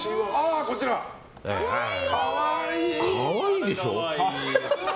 可愛いでしょ？